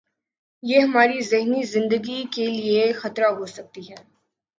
یہ ہماری ذہنی تندرستی کے لئے خطرہ ہوسکتی ہے